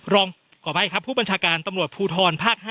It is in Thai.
ขออภัยครับผู้บัญชาการตำรวจภูทรภาค๕